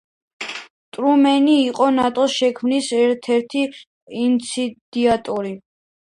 ტრუმენი იყო ნატოს შექმნის ერთ–ერთი ინიციატორი.